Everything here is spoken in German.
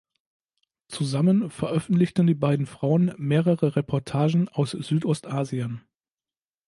Zusammen veröffentlichten die beiden Frauen mehrere Reportagen aus Südostasien.